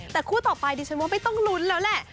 แต่คู่ต่อไปดิฉันว่าไม่ต้องลุ้นแล้วแหละ